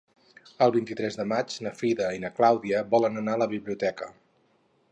El vint-i-tres de maig na Frida i na Clàudia volen anar a la biblioteca.